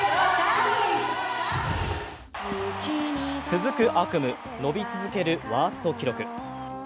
続く悪夢、伸び続けるワースト記録。